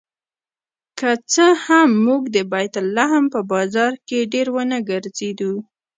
که څه هم موږ د بیت لحم په بازار کې ډېر ونه ګرځېدو.